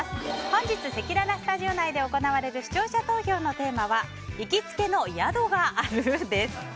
本日せきららスタジオ内で行われる視聴者投票のテーマは行きつけの宿がある？です。